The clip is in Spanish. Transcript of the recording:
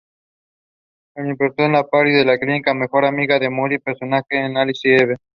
Interpretó a Patty, la cínica mejor amiga de Molly, personaje de Alice Eve.